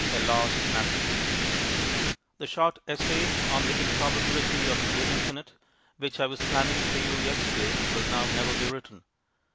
A Lost Masterpiece The short essay on "The Improbability of the Infinite" which I was planning for you yesterday will now never be written.